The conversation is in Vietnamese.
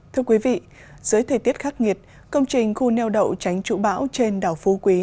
thưa quý vị dưới thời tiết khắc nghiệt công trình khu neo đậu tránh trụ bão trên đảo phú quý